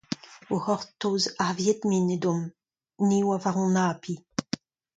O c'hortoz ar Vietminh edomp, ni a oa war hon api.